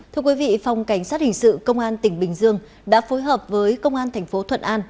thưa quý vị phòng cảnh sát hình sự công an tỉnh bình dương đã phối hợp với công an thành phố thuận an